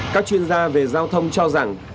các chuyên gia về giao thông cho rằng